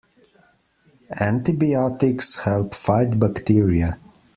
Antibiotics help fight bacteria.